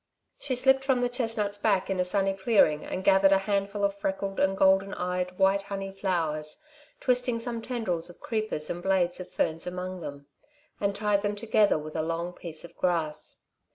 She slipped from the chestnut's back in a sunny clearing and gathered a handful of freckled and golden eyed, white honey flowers, twisted some tendrils of creepers and blades of ferns among them, and tied them together with a long piece of grass.